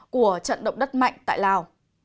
của trận động đất mạnh tại lào